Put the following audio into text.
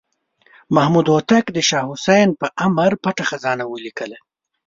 محمد هوتک د شاه حسین په امر پټه خزانه ولیکله.